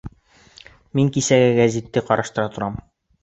Мин кисәге гәзитте ҡараштыра торам.